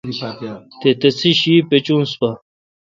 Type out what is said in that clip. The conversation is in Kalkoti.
تے تسے°شی پیچونس پا۔